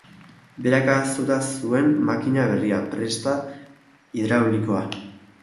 Berak ahaztuta zuen makina berria, prentsa hidraulikoa.